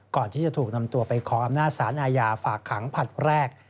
ก่อนที่จะถูกนำตัวไปขออำนาจสารอาญาฝากขังผลัดแรก